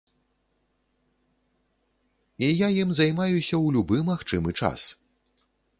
І я ім займаюся ў любы магчымы час.